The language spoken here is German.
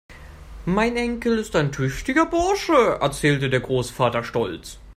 Mein Enkel ist ein tüchtiger Bursche, erzählte der Großvater stolz.